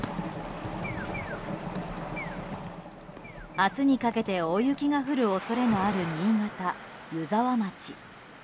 明日にかけて大雪が降る恐れのある新潟・湯沢町。